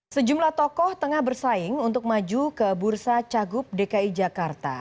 sejumlah tokoh tengah bersaing untuk maju ke bursa cagup dki jakarta